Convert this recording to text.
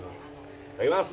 いただきます！